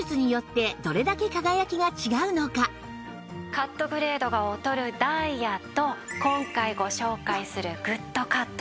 カットグレードが劣るダイヤと今回ご紹介するＧＯＯＤカットです。